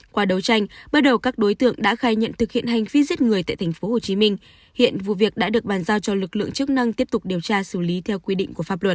qua đấu tranh bước đầu các đối tượng đã khai nhận thực hiện hành vi giết người tại tp hcm hiện vụ việc đã được bàn giao cho lực lượng chức năng tiếp tục điều tra xử lý theo quy định của pháp luật